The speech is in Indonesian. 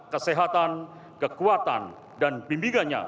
kesehatan kekuatan dan bimbingannya